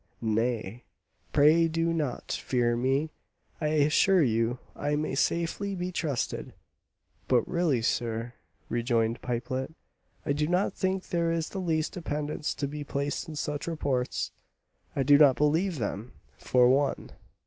"Nay, pray do not fear me! I assure you I may safely be trusted." "But, really, sir," rejoined Pipelet, "I do not think there is the least dependence to be placed in such reports. I do not believe them, for one.